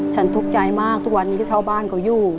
ฉันทุกใจมากทุกวันนี้ชาวบ้านก็อยู่